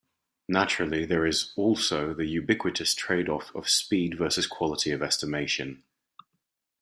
Naturally, there is also the ubiquitous tradeoff of speed versus quality of estimation.